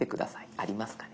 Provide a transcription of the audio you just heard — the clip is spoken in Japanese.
ありますかね？